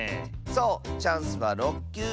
そうチャンスは６きゅう！